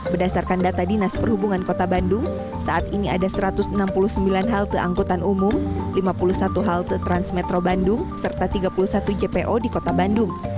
berdasarkan data dinas perhubungan kota bandung saat ini ada satu ratus enam puluh sembilan halte angkutan umum lima puluh satu halte transmetro bandung serta tiga puluh satu jpo di kota bandung